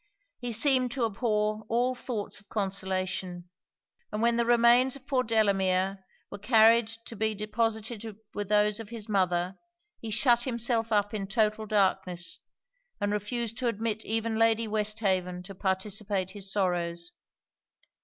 He seemed to abhor all thoughts of consolation: and when the remains of poor Delamere were carried to be deposited with those of his mother, he shut himself up in total darkness, and refused to admit even Lady Westhaven to participate his sorrows.